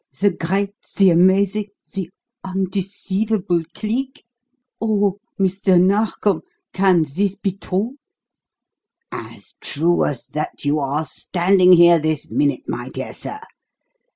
The great, the amazing, the undeceivable Cleek! Oh, Mr. Narkom, can this be true?" "As true as that you are standing here this minute, my dear sir.